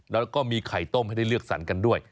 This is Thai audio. แล้วก็มีไข่ต้มให้ได้เลือกสรรกันด้วย